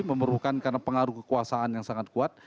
memerlukan karena pengaruh kekuasaan yang sangat kuat